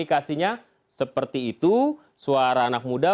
yang terakhir adalah pertanyaan dari anak muda